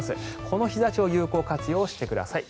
この日差しを有効活用してください。